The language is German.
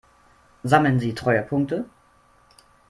Sammeln Sie Treuepunkte?